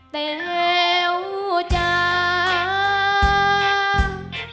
เต๋วจ้าง